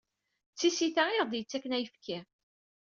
D tisita i ɣ-d-yettaken ayefki.